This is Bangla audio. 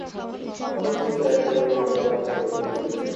সালাহ উদ্দিন সাহেব সরকারি কর্মকর্তা, সাংসদ এবং প্রতিমন্ত্রী ছিলেন।